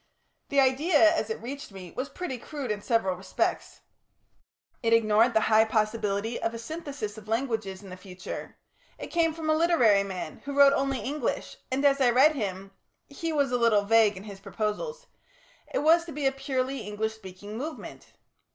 The idea, as it reached me, was pretty crude in several respects. It ignored the high possibility of a synthesis of languages in the future; it came from a literary man, who wrote only English, and, as I read him he was a little vague in his proposals it was to be a purely English speaking movement.